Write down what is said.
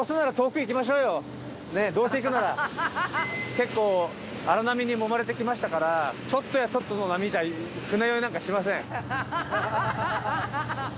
結構荒波にもまれてきましたからちょっとやそっとの波じゃ船酔いなんかしません。